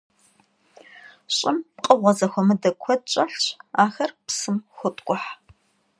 Ş'ım pkhığue zexuemıde kued ş'elhş, axer psım xotk'uh.